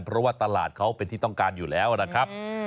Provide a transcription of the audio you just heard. เพราะว่าตลาดเขาเป็นที่ต้องการอยู่แล้วนะครับ